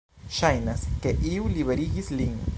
Ŝajnas, ke iu liberigis lin.